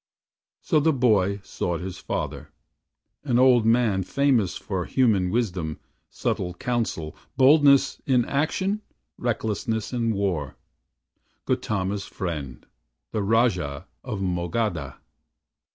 So the boy sought his father an old man Famous for human wisdom, subtle counsel, Boldness in action, recklessness in war Gautama's friend, the Rajah of Mogadha.